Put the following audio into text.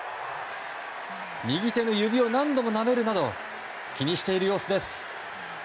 右手の指を何度もなめるなど気にしている様子です。